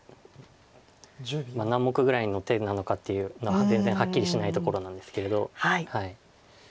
何目ぐらいの手なのかっていうのが全然はっきりしないところなんですけれど。